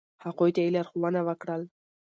، هغوی ته یی لارښونه وکړه ل